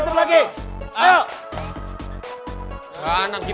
jangan sampai beratur lagi